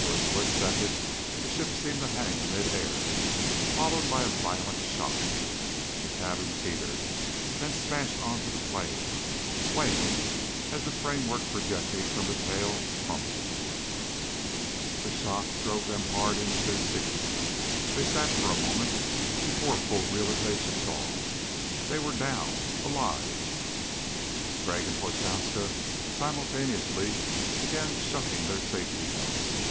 For a split second the ship seemed to hang in mid air followed by a violent shock. The cabin teetered, then smashed onto the plain, swaying as the framework projecting from the tail crumpled. The shock drove them hard into their seats. They sat for a moment before full realization dawned. They were down alive! Crag and Prochaska simultaneously began shucking their safety belts.